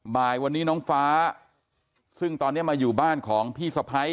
บ่ายวันนี้น้องฟ้าซึ่งตอนนี้มาอยู่บ้านของพี่สะพ้าย